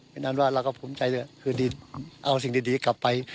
ไม่นานว่าเราก็ภูมิใจด้วยคือดีเอาสิ่งดีดีกลับไป